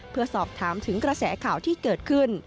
เพื่อสอบถามถึงกระแสข่าวที่เกิดขึ้น